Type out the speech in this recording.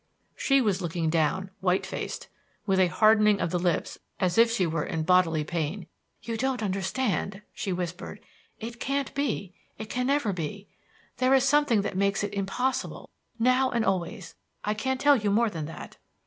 She was looking down, white faced, with a hardening of the lips as if she were in bodily pain. "You don't understand," she whispered. "It can't be it can never be. There is something that makes it impossible, now and always. I can't tell you more than that."